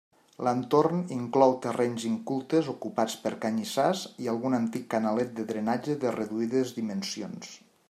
L'entorn inclou terrenys incultes ocupats per canyissars i algun antic canalet de drenatge de reduïdes dimensions.